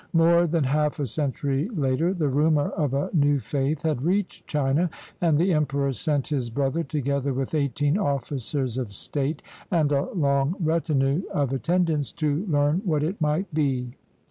More than half a century later, the rumor of a new faith had reached China, and the emperor sent his brother, together with eighteen officers of state and a long 53 CHINA retinue of attendants, to learn what it might be.